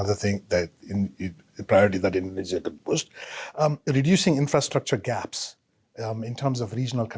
dan akhirnya saya akan mengatakan perjuangan untuk meningkatkan